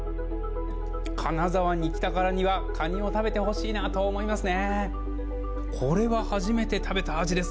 金沢に来たからにはカニを食べてほしいと思います。